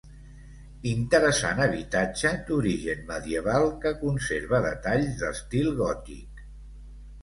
Interessant habitatge d'origen medieval que conserva detalls d'estil gòtic.